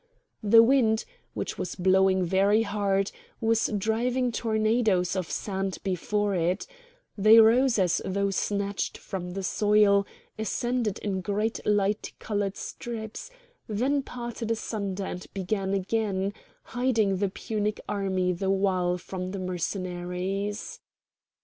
The wind, which was blowing very hard, was driving tornadoes of sand before it; they rose as though snatched from the soil, ascended in great light coloured strips, then parted asunder and began again, hiding the Punic army the while from the Mercenaries.